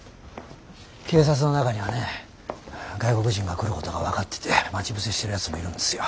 警察の中にはね外国人が来ることが分かってて待ち伏せしてるやつもいるんですよ。